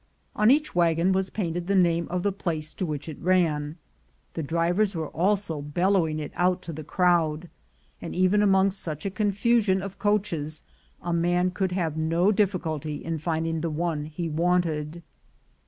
On each wagon was painted the name of the place to which it ran; the drivers were also bellowing it out to the crowd, and even among such a confusion of coaches a man could have no difficulty in finding the one he wanted.